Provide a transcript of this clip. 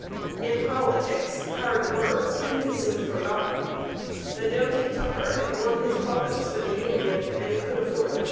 In politics hard words can be soon forgotten. The doughty Tupper had won his province for the union and could afford to forget.